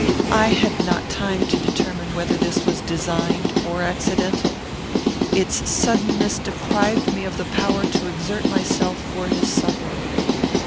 I had not time to determine whether this was designed or accidental. Its suddenness deprived me of the power to exert myself for his succour.